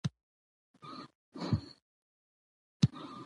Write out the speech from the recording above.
کابل د افغانستان د ځانګړي اقلیم یوه لویه ځانګړتیا ده.